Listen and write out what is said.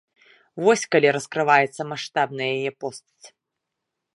Вось калі раскрываецца маштабна яе постаць.